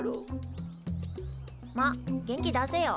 まあ元気出せよ。